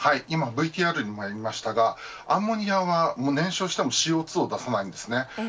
今ＶＴＲにもありましたがアンモニアは燃焼してもＣＯ２を出さないんです。